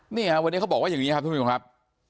เนี่ยเขาบอกว่าอย่างนี้ค่ะพี่หมิวครับ